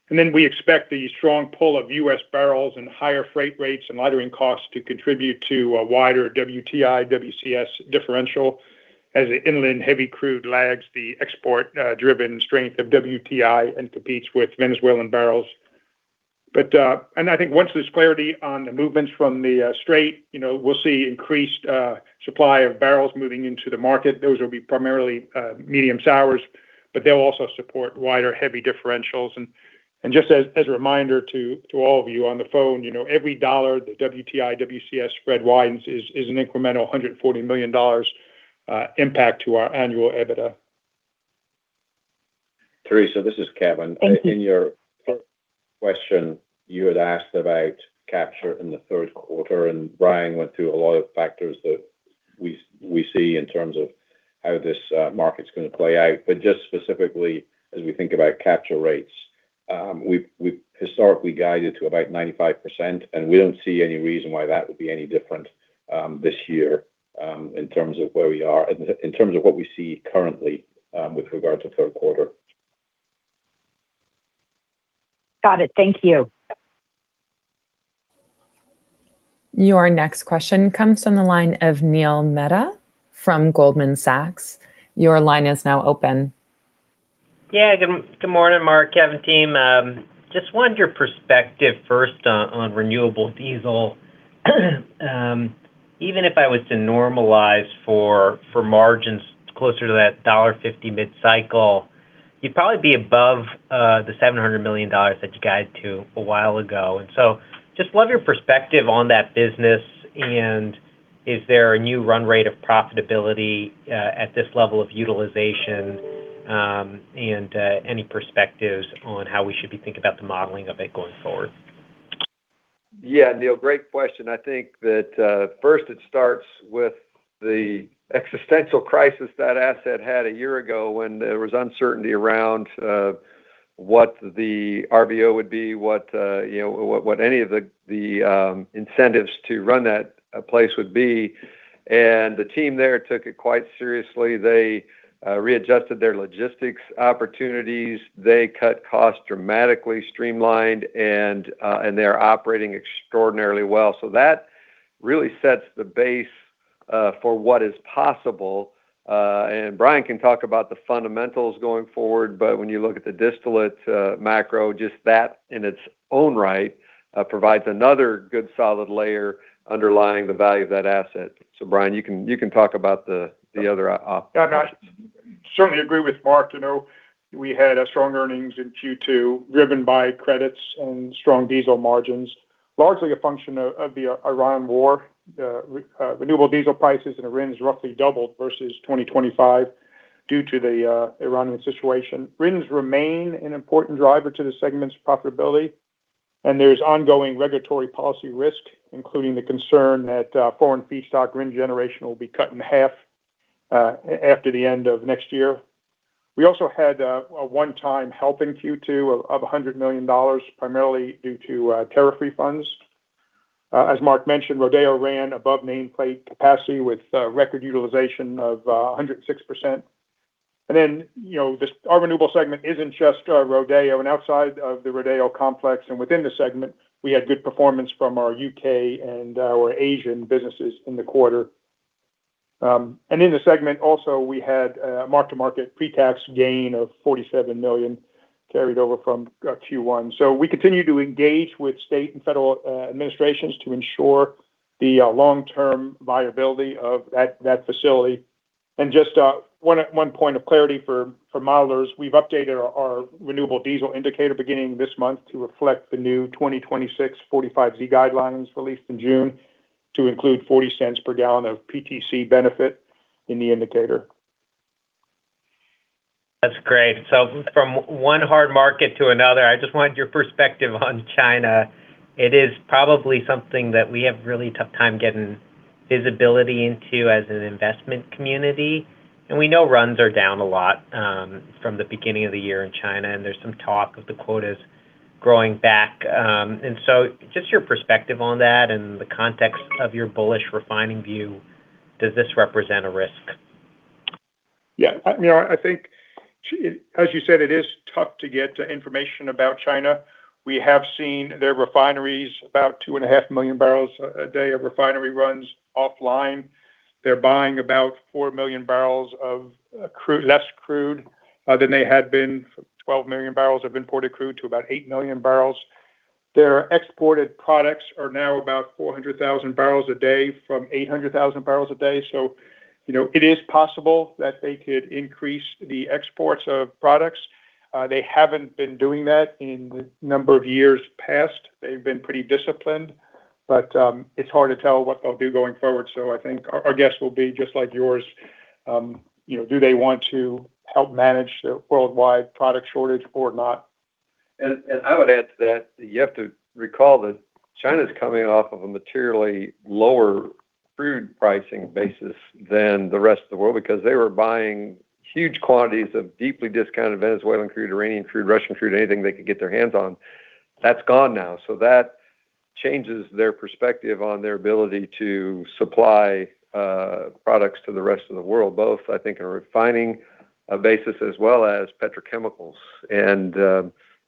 Then we expect the strong pull of U.S. barrels and higher freight rates and lightering costs to contribute to a wider WTI, WCS differential as the inland heavy crude lags the export-driven strength of WTI and competes with Venezuelan barrels. I think once there's clarity on the movements from the Strait, we'll see increased supply of barrels moving into the market. Those will be primarily medium sours, but they'll also support wider heavy differentials. Just as a reminder to all of you on the phone, every dollar the WTI, WCS spread widens is an incremental $140 million impact to our annual EBITDA. Theresa, this is Kevin. Thank you. In your question, you had asked about capture in the third quarter, and Brian went through a lot of factors that we see in terms of how this market's going to play out. Just specifically as we think about capture rates, we've historically guided to about 95%, and we don't see any reason why that would be any different this year in terms of where we are and in terms of what we see currently with regard to third quarter. Got it. Thank you. Your next question comes from the line of Neil Mehta from Goldman Sachs. Your line is now open. Yeah. Good morning, Mark, Kevin, team. Just wanted your perspective first on renewable diesel. Even if I was to normalize for margins closer to that $1.50 mid cycle, you'd probably be above the $700 million that you guided to a while ago. Just love your perspective on that business, and is there a new run rate of profitability at this level of utilization? Any perspectives on how we should be thinking about the modeling of it going forward? Yeah, Neil, great question. I think that first it starts with the existential crisis that asset had a year ago when there was uncertainty around what the RBO would be, what any of the incentives to run that place would be. The team there took it quite seriously. They readjusted their logistics opportunities. They cut costs dramatically, streamlined, and they are operating extraordinarily well. That really sets the base for what is possible. Brian can talk about the fundamentals going forward, but when you look at the distillate macro, just that in its own right provides another good solid layer underlying the value of that asset. Brian, you can talk about the other. Yeah. I certainly agree with Mark. We had strong earnings in Q2 driven by credits and strong diesel margins, largely a function of the Iran war. Renewable diesel prices and RINs roughly doubled versus 2025 due to the Iranian situation. There's ongoing regulatory policy risk, including the concern that foreign feedstock RIN generation will be cut in half after the end of next year. We also had a one-time help in Q2 of $100 million, primarily due to tariff refunds. As Mark mentioned, Rodeo ran above nameplate capacity with record utilization of 106%. Our renewable segment isn't just Rodeo. Outside of the Rodeo Complex and within the segment, we had good performance from our U.K. and our Asian businesses in the quarter. In the segment also, we had a mark-to-market pre-tax gain of $47 million carried over from Q1. We continue to engage with state and federal administrations to ensure the long-term viability of that facility. Just one point of clarity for modelers, we've updated our renewable diesel indicator beginning this month to reflect the new 2026 45Z guidelines released in June to include $0.40 per gallon of PTC benefit in the indicator. That's great. From one hard market to another, I just wanted your perspective on China. It is probably something that we have a really tough time getting visibility into as an investment community. We know runs are down a lot from the beginning of the year in China, and there's some talk of the quotas growing back. Just your perspective on that in the context of your bullish refining view, does this represent a risk? Yeah. I think, as you said, it is tough to get information about China. We have seen their refineries, about 2.5 million bbl a day of refinery runs offline. They're buying about 4 million bbl of less crude than they had been, 12 million bbl of imported crude to about 8 million bbl. Their exported products are now about 400,000 bbl a day from 800,000 bbl a day. It is possible that they could increase the exports of products. They haven't been doing that in the number of years past. They've been pretty disciplined. It's hard to tell what they'll do going forward. I think our guess will be just like yours. Do they want to help manage the worldwide product shortage or not? I would add to that, you have to recall that China's coming off of a materially lower crude pricing basis than the rest of the world, because they were buying huge quantities of deeply discounted Venezuelan crude, Iranian crude, Russian crude, anything they could get their hands on. That's gone now. That changes their perspective on their ability to supply products to the rest of the world, both, I think, in a refining basis as well as petrochemicals.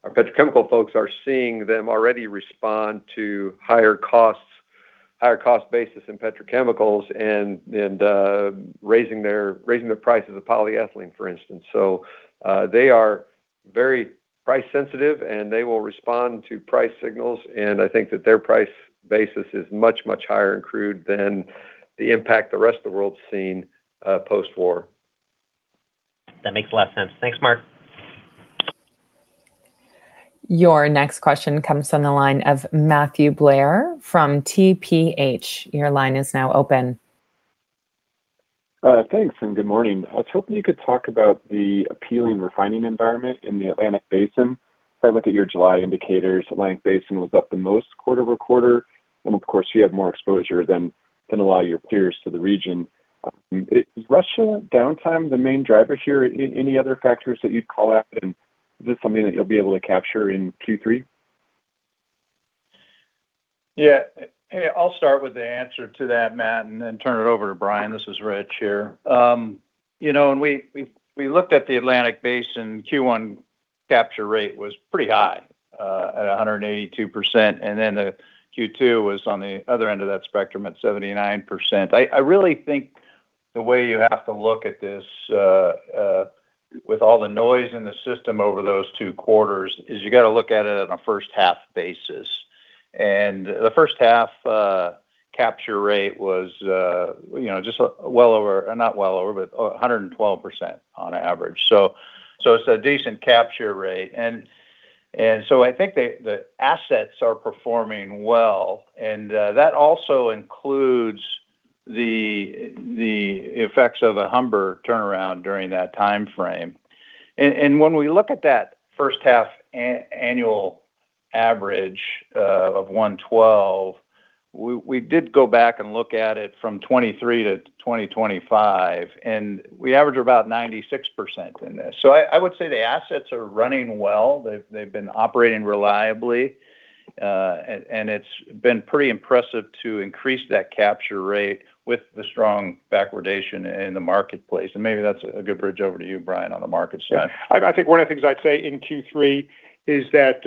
Our petrochemical folks are seeing them already respond to higher cost basis in petrochemicals and raising the prices of polyethylene, for instance. They are very price sensitive, and they will respond to price signals, and I think that their price basis is much, much higher in crude than the impact the rest of the world's seen post-war. That makes a lot of sense. Thanks, Mark. Your next question comes from the line of Matthew Blair from TPH. Your line is now open. Thanks. Good morning. I was hoping you could talk about the appealing refining environment in the Atlantic Basin. If I look at your July indicators, Atlantic Basin was up the most quarter-over-quarter. Of course, you have more exposure than a lot of your peers to the region. Is Russia downtime the main driver here? Any other factors that you'd call out? Is this something that you'll be able to capture in Q3? I'll start with the answer to that, Matt, then turn it over to Brian. This is Rich here. When we looked at the Atlantic Basin, Q1 capture rate was pretty high at 182%, then the Q2 was on the other end of that spectrum at 79%. I really think the way you have to look at this with all the noise in the system over those two quarters is you got to look at it on a first-half basis. The first half capture rate was 112% on average. It's a decent capture rate. I think the assets are performing well, and that also includes the effects of a Humber turnaround during that timeframe. When we look at that first half annual average of 112%, we did go back and look at it from 2023 to 2025, and we averaged about 96% in this. I would say the assets are running well. They've been operating reliably. It's been pretty impressive to increase that capture rate with the strong backwardation in the marketplace. Maybe that's a good bridge over to you, Brian, on the markets side. I think one of the things I'd say in Q3 is that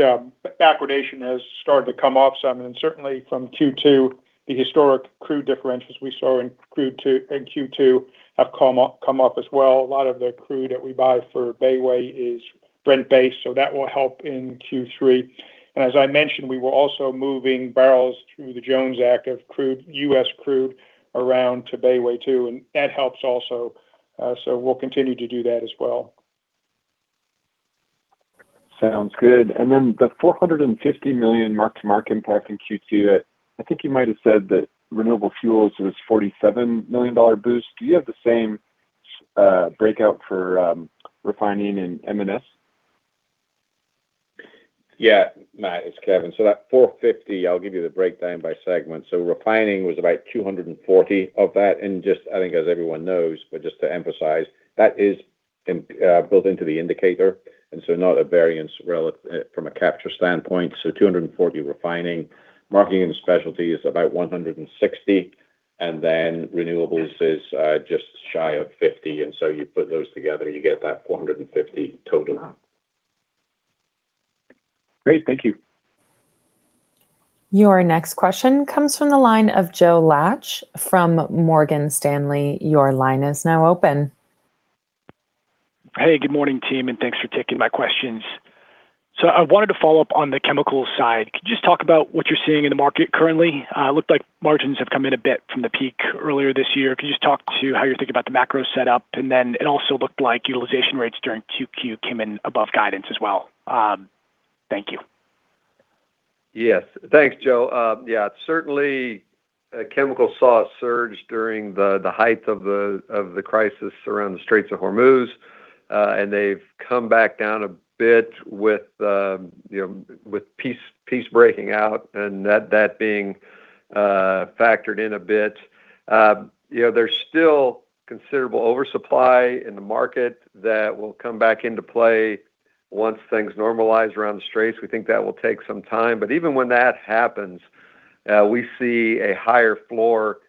backwardation has started to come off some, and certainly from Q2, the historic crude differentials we saw in Q2 have come off as well. A lot of the crude that we buy for Bayway is Brent-based, so that will help in Q3. As I mentioned, we were also moving barrels through the Jones Act of crude, U.S. crude around to Bayway too, and that helps also. We'll continue to do that as well. Sounds good. Then the $450 million mark-to-market impact in Q2. I think you might have said that renewable fuels was $47 million boost. Do you have the same breakout for refining in M&S? Yeah. Matt, it's Kevin. That $450, I'll give you the breakdown by segment. Refining was about $240 of that. Just, I think as everyone knows, but just to emphasize, that is built into the indicator, not a variance from a capture standpoint. $240 refining. Marketing and specialty is about $160, and then renewables is just shy of $50. You put those together, you get that $450 total. Great. Thank you. Your next question comes from the line of Joe Laetsch from Morgan Stanley. Your line is now open. Hey, good morning, team, and thanks for taking my questions. I wanted to follow up on the chemical side. Could you just talk about what you're seeing in the market currently? It looked like margins have come in a bit from the peak earlier this year. Could you just talk to how you're thinking about the macro setup? It also looked like utilization rates during 2Q came in above guidance as well. Thank you. Yes. Thanks, Joe. Yeah. Certainly, chemical saw a surge during the height of the crisis around the Straits of Hormuz. They've come back down a bit with peace breaking out and that being factored in a bit. There's still considerable oversupply in the market that will come back into play once things normalize around the straits. We think that will take some time. Even when that happens, we see a higher floor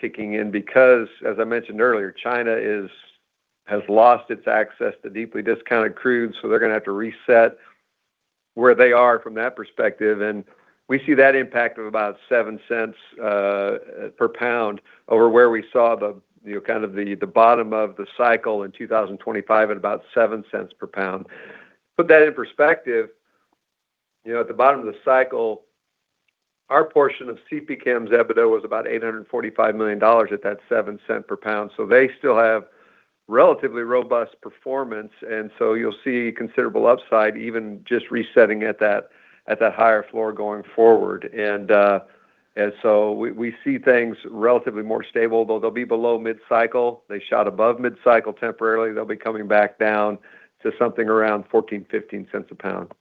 kicking in because, as I mentioned earlier, China has lost its access to deeply discounted crude, so they're going to have to reset where they are from that perspective. We see that impact of about $0.07 per pound over where we saw the bottom of the cycle in 2025 at about $0.07 per pound. Put that in perspective, at the bottom of the cycle, our portion of CPChem's EBITDA was about $845 million at that $0.07 per pound. They still have relatively robust performance, you'll see considerable upside even just resetting at that higher floor going forward. We see things relatively more stable, though they'll be below mid-cycle. They shot above mid-cycle temporarily. They'll be coming back down to something around $0.14-$0.15 a pound.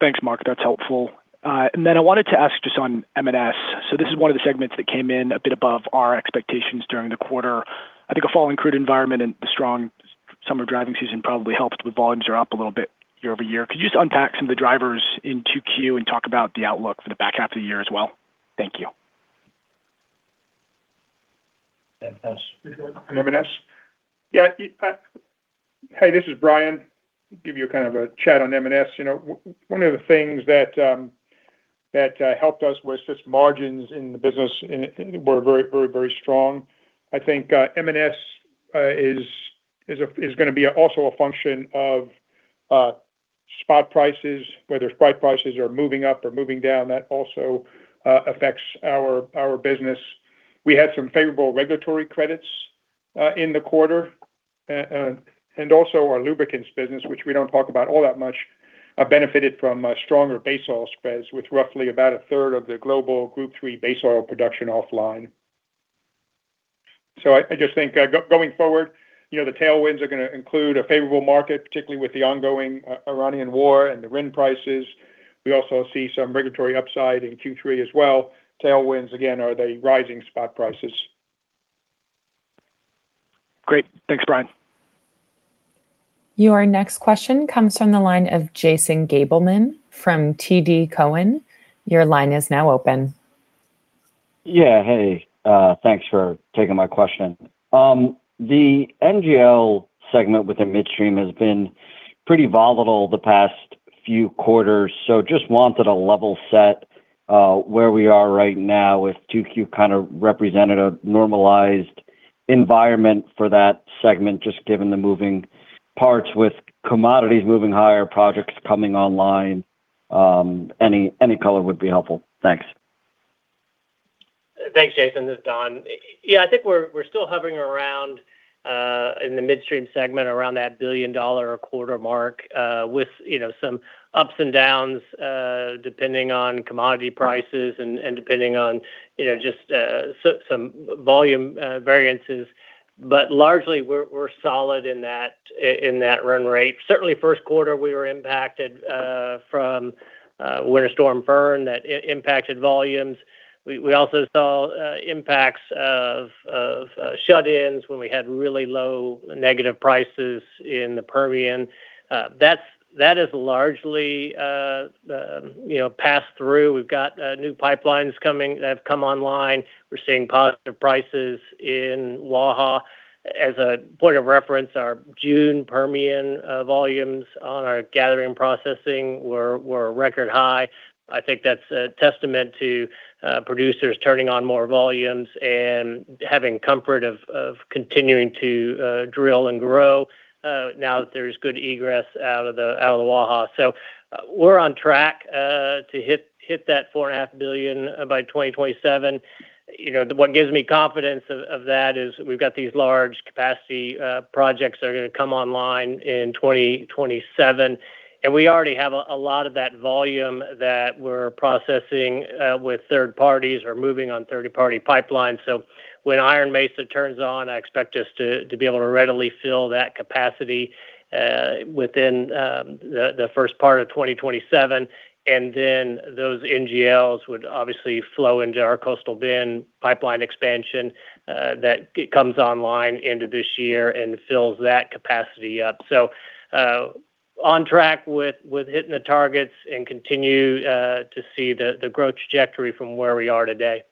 Thanks, Mark. I wanted to ask just on M&S. This is one of the segments that came in a bit above our expectations during the quarter. I think a falling crude environment and a strong summer driving season probably helped with volumes are up a little bit year-over-year. Could you just unpack some of the drivers in 2Q and talk about the outlook for the back half of the year as well? Thank you. M&S? Yeah. Hey, this is Brian. Give you a chat on M&S. One of the things that helped us was just margins in the business were very strong. I think M&S is going to be also a function of spot prices, whether spot prices are moving up or moving down. That also affects our business. We had some favorable regulatory credits in the quarter. Our lubricants business, which we don't talk about all that much, benefited from stronger base oil spreads with roughly about a third of the global Group III base oil production offline. I just think going forward, the tailwinds are going to include a favorable market, particularly with the ongoing Iranian war and the RIN prices. We also see some regulatory upside in Q3 as well. Tailwinds, again, are the rising spot prices. Great. Thanks, Brian. Your next question comes from the line of Jason Gabelman from TD Cowen. Your line is now open. Yeah. Hey, thanks for taking my question. The NGL segment within midstream has been pretty volatile the past few quarters. Just wanted a level set where we are right now if 2Q represented a normalized environment for that segment, just given the moving parts with commodities moving higher, projects coming online. Any color would be helpful. Thanks. Thanks, Jason. This is Don. Yeah. I think we're still hovering around in the midstream segment around that billion-dollar a quarter mark with some ups and downs, depending on commodity prices and depending on just some volume variances. Largely, we're solid in that run rate. Certainly, first quarter, we were impacted from Winter Storm Fern that impacted volumes. We also saw impacts of shut-ins when we had really low negative prices in the Permian. That is largely passed through. We've got new pipelines that have come online. We're seeing positive prices in Waha. As a point of reference, our June Permian volumes on our gathering processing were a record high. I think that's a testament to producers turning on more volumes and having comfort of continuing to drill and grow now that there's good egress out of the Waha. We're on track to hit that $4.5 billion by 2027. What gives me confidence of that is we've got these large capacity projects that are going to come online in 2027, and we already have a lot of that volume that we're processing with third parties or moving on third-party pipelines. When Iron Mesa turns on, I expect us to be able to readily fill that capacity within the first part of 2027. Those NGLs would obviously flow into our Coastal Bend pipeline expansion that comes online end of this year and fills that capacity up. On track with hitting the targets and continue to see the growth trajectory from where we are today.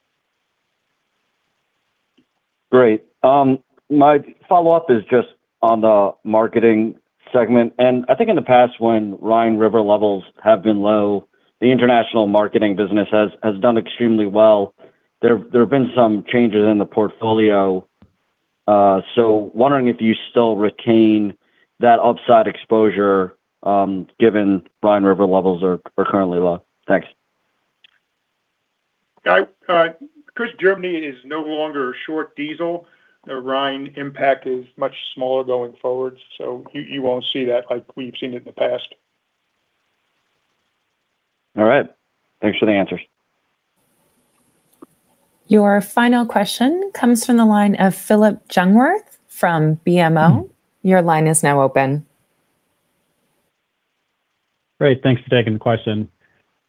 Great. My follow-up is just on the marketing segment. I think in the past when Rhine River levels have been low, the international marketing business has done extremely well. There have been some changes in the portfolio. Wondering if you still retain that upside exposure given Rhine River levels are currently low. Thanks. Germany is no longer short diesel, the Rhine impact is much smaller going forward. You won't see that like we've seen it in the past. All right. Thanks for the answers. Your final question comes from the line of Phillip Jungwirth from BMO. Your line is now open. Great. Thanks for taking the question.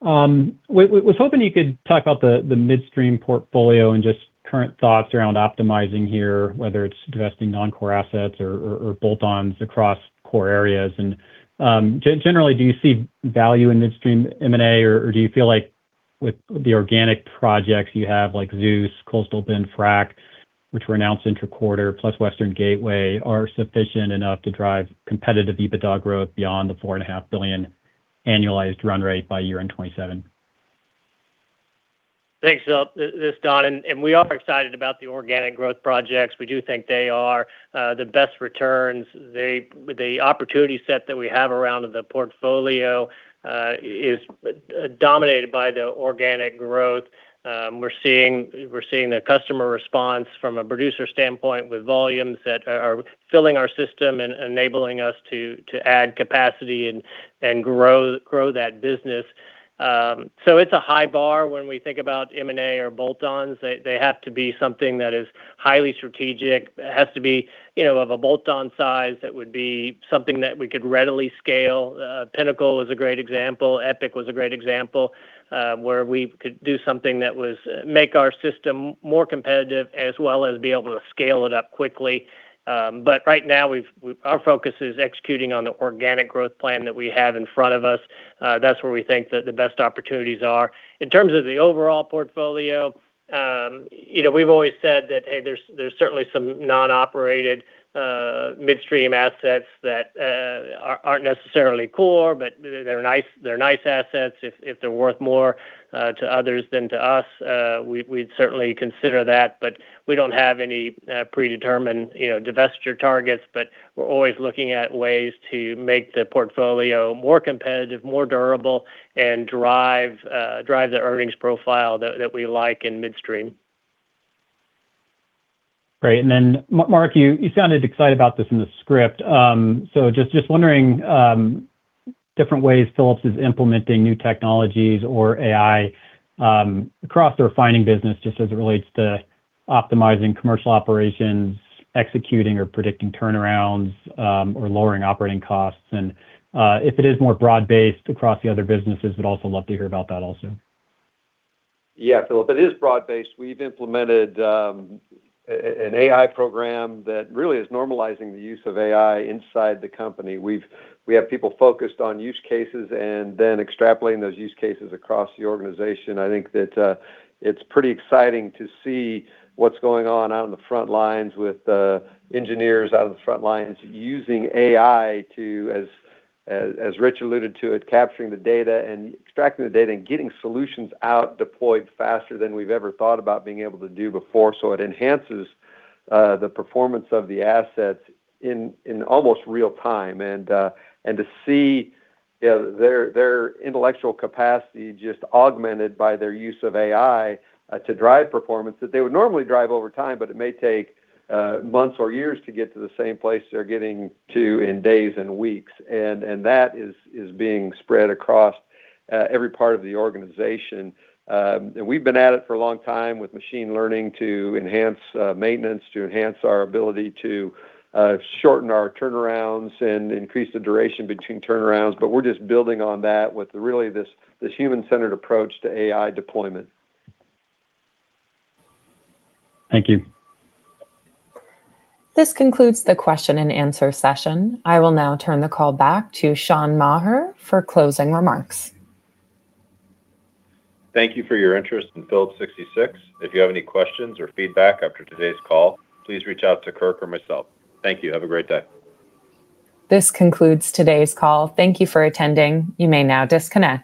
I was hoping you could talk about the midstream portfolio and just current thoughts around optimizing here, whether it's divesting non-core assets or bolt-ons across core areas. Generally, do you see value in midstream M&A, or do you feel like with the organic projects you have, like Zeus, Coastal Bend Frac, which were announced interquarter, plus Western Gateway, are sufficient enough to drive competitive EBITDA growth beyond the $4.5 billion annualized run rate by year-end 2027? Thanks, Phillip. This is Don. We are excited about the organic growth projects. We do think they are the best returns. The opportunity set that we have around the portfolio is dominated by the organic growth. We're seeing the customer response from a producer standpoint with volumes that are filling our system and enabling us to add capacity and grow that business. It's a high bar when we think about M&A or bolt-ons. They have to be something that is highly strategic. It has to be of a bolt-on size that would be something that we could readily scale. Pinnacle was a great example. EPIC was a great example, where we could do something that would make our system more competitive, as well as be able to scale it up quickly. Right now, our focus is executing on the organic growth plan that we have in front of us. That's where we think that the best opportunities are. In terms of the overall portfolio, we've always said that, hey, there's certainly some non-operated midstream assets that aren't necessarily core, but they're nice assets. If they're worth more to others than to us, we'd certainly consider that. We don't have any predetermined divestiture targets. We're always looking at ways to make the portfolio more competitive, more durable, and drive the earnings profile that we like in midstream. Great. Mark, you sounded excited about this in the script. Just wondering different ways Phillips is implementing new technologies or AI across the refining business, just as it relates to optimizing commercial operations, executing or predicting turnarounds, or lowering operating costs. If it is more broad-based across the other businesses, would also love to hear about that also. Yeah, Phillip, it is broad-based. We've implemented an AI program that really is normalizing the use of AI inside the company. We have people focused on use cases and then extrapolating those use cases across the organization. I think that it's pretty exciting to see what's going on out on the front lines with engineers out on the front lines using AI to, as Rich alluded to, capturing the data and extracting the data and getting solutions out deployed faster than we've ever thought about being able to do before. It enhances the performance of the assets in almost real time. To see their intellectual capacity just augmented by their use of AI to drive performance that they would normally drive over time, but it may take months or years to get to the same place they're getting to in days and weeks. That is being spread across every part of the organization. We've been at it for a long time with machine learning to enhance maintenance, to enhance our ability to shorten our turnarounds and increase the duration between turnarounds. We're just building on that with really this human-centered approach to AI deployment. Thank you. This concludes the question and answer session. I will now turn the call back to Sean Maher for closing remarks. Thank you for your interest in Phillips 66. If you have any questions or feedback after today's call, please reach out to Kirk or myself. Thank you. Have a great day. This concludes today's call. Thank you for attending. You may now disconnect.